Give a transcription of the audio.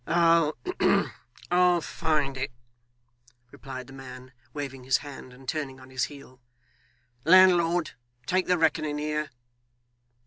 'I'll humph! I'll find it,' replied the man, waving his hand and turning on his heel. 'Landlord, take the reckoning here.